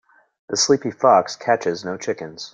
The sleepy fox catches no chickens.